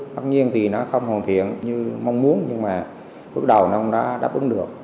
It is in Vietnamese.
tất nhiên thì nó không hoàn thiện như mong muốn nhưng mà bước đầu nó cũng đã đáp ứng được